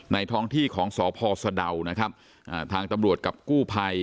ท้องที่ของสพสะดาวนะครับอ่าทางตำรวจกับกู้ภัย